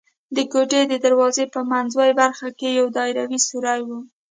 د کوټې د دروازې په منځوۍ برخه کې یو دایروي سوری و.